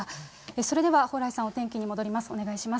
それでは、蓬莱さん、お天気に戻ります。